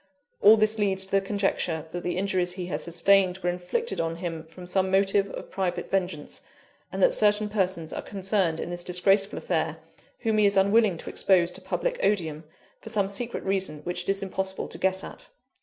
All this leads to the conjecture that the injuries he has sustained were inflicted on him from some motive of private vengeance; and that certain persons are concerned in this disgraceful affair, whom he is unwilling to expose to public odium, for some secret reason which it is impossible to guess at.